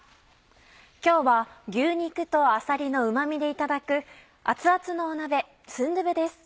今日は牛肉とあさりのうま味でいただく熱々の鍋スンドゥブです。